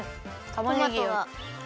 たまねぎが。